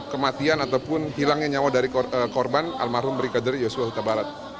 kematian ataupun hilangnya nyawa dari korban almarhum brigadir yoswa utabarat